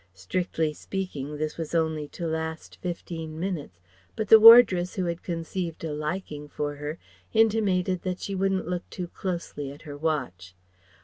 Strictly speaking this was only to last fifteen minutes, but the wardress who had conceived a liking for her intimated that she wouldn't look too closely at her watch.